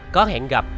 có hẹn gặp